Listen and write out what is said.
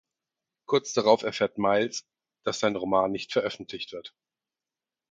Kurz darauf erfährt Miles, dass sein Roman nicht veröffentlicht wird.